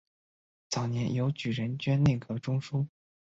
早年由举人捐内阁中书。